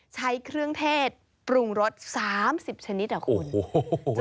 ใช้เครื่องเทศปรุงรส๓๐ชนิดอ่ะคุณโอ้โห